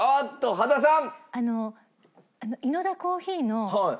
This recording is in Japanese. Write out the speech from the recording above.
羽田さん？